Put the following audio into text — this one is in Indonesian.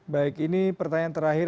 baik ini pertanyaan terakhir